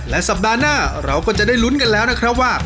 และสัปดาห์หน้าเราก็จะได้ลุ้นกันแล้วนะครับว่า